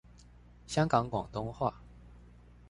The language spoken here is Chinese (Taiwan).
香港廣東話